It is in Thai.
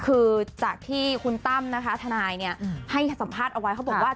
คือจากที่คุณตั้มนะคะทนายเนี่ยให้สัมภาษณ์เอาไว้เขาบอกว่า